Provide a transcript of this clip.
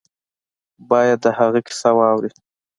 باید د هغه کیسه واوري.